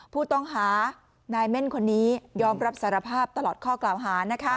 ผู้ต้องหานายเม่นคนนี้ยอมรับสารภาพตลอดข้อกล่าวหา